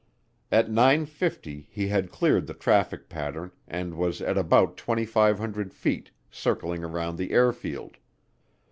At nine fifty he had cleared the traffic pattern and was at about 2,500 feet, circling around the airfield.